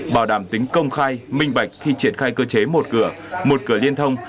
bảo đảm tính công khai minh bạch khi triển khai cơ chế một cửa một cửa liên thông